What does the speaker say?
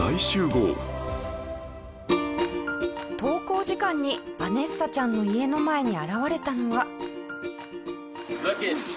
登校時間にヴァネッサちゃんの家の前に現れたのは。